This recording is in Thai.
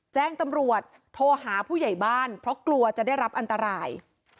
แจ้งตำรวจโทรหาผู้ใหญ่บ้านเพราะกลัวจะได้รับอันตราย